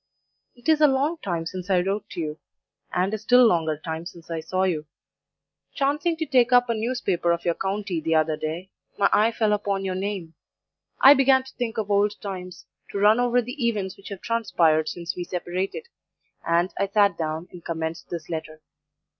"It is a long time since I wrote to you, and a still longer time since I saw you. Chancing to take up a newspaper of your county the other day, my eye fell upon your name. I began to think of old times; to run over the events which have transpired since we separated; and I sat down and commenced this letter.